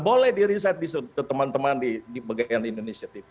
boleh di reset ke teman teman di bagian indonesia